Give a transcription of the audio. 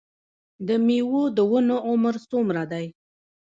د میوو د ونو عمر څومره دی؟